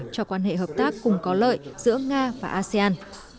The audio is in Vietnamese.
cho quan hệ hợp tác cùng có lợi giữa nga và asean